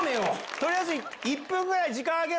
とりあえず１分ぐらい時間あげる。